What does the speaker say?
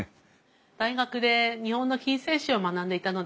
大学で日本の近世史を学んでいたので。